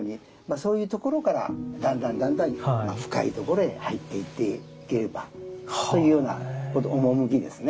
そういうところからだんだんだんだん深いところへ入っていっていければというような趣ですね。